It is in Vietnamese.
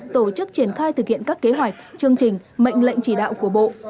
tổ chức triển khai thực hiện các kế hoạch chương trình mệnh lệnh chỉ đạo của bộ